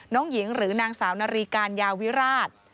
น้องหญิงหรือนางสาวนารีการยาวิราช